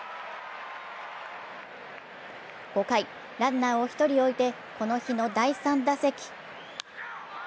５回、ランナーを１人置いて、この日の第３打席。